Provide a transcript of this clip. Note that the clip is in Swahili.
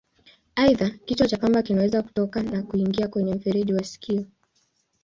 Aidha, kichwa cha pamba kinaweza kutoka na kuingia kwenye mfereji wa sikio.